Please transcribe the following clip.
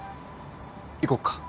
行こっか。